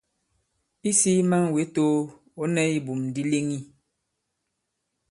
Isī man wě too, ɔ̌ nɛ ibum di leŋi.